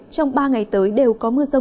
trong ba ngày tới đều có mức nhiệt cao hơn